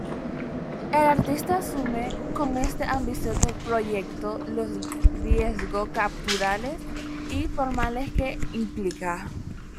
El artista asume con este ambicioso proyecto los riesgos conceptuales y formales que implica.